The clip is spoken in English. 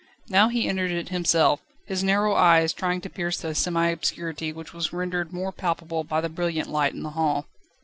Now he entered it himself, his narrow eyes trying to pierce the semi obscurity, which was rendered more palpable by the brilliant light in the hall.